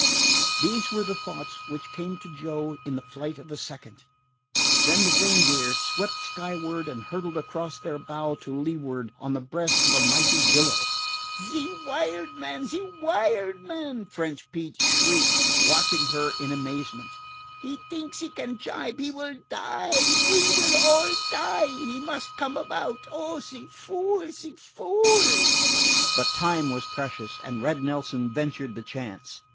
These were the thoughts which came to Joe in the flight of a second. Then the Reindeer swept skyward and hurtled across their bow to leeward on the breast of a mighty billow. "Ze wild man! ze wild man!" French Pete shrieked, watching her in amazement. "He t'inks he can jibe! He will die! We will all die! He must come about. Oh, ze fool, ze fool!" But time was precious, and Red Nelson ventured the chance.